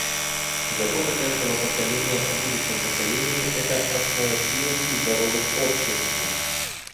Забота каждого поколения о будущем поколении — это основа сильных и здоровых обществ.